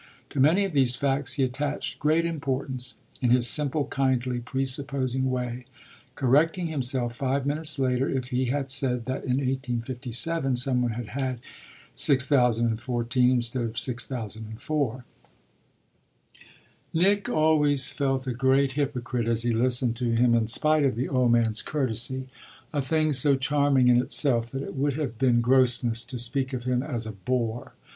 To many of these facts he attached great importance, in his simple, kindly, presupposing way; correcting himself five minutes later if he had said that in 1857 some one had had 6014 instead of 6004. Nick always felt a great hypocrite as he listened to him, in spite of the old man's courtesy a thing so charming in itself that it would have been grossness to speak of him as a bore.